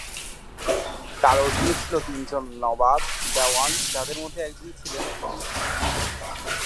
তার অধীনে ছিল তিনজন নবাব-দেওয়ান যাদের মধ্যে একজন ছিলেন পুলিশ।